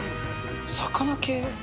魚系？